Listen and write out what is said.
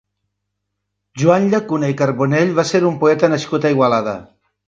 Joan Llacuna i Carbonell va ser un poeta nascut a Igualada.